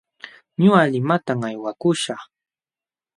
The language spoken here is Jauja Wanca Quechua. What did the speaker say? Ñuqa limatam aywakuśhaq.